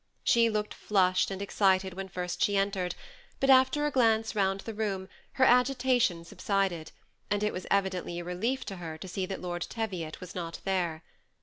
She looked flushed and excited when first she entered ; but after a glance round the room her agitation subsided, and it was evidently a relief to her to see that Lord Teviot was not there.